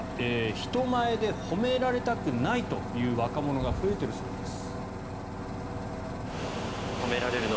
人前で褒められたくないという若者が増えているそうです。